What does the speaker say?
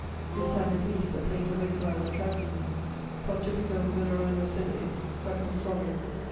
This time, at least, the place of exile attracted me: _Pontificum veneranda sedes, sacrum solium.